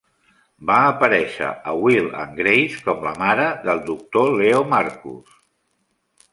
Va aparèixer a "Will and Grace" com la mare del Dr. Leo Markus.